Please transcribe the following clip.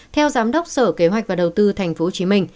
theo giám đốc sở kế hoạch và đầu tư tp hcm